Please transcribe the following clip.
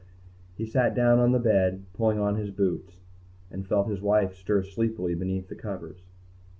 He sat down on the bed, pulling on his boots, and felt his wife stir sleepily beneath the covers.